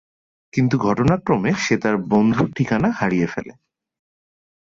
কিন্তু ঘটনাক্রমে সে তার বন্ধুর ঠিকানা হারিয়ে ফেলে।